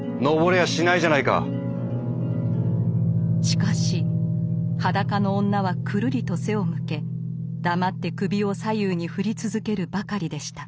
しかし裸の女はくるりと背を向け黙って首を左右に振り続けるばかりでした。